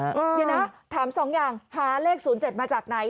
เดี๋ยวนะถาม๒อย่างหาเลข๐๗มาจากไหน